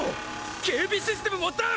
警備システムもダウン！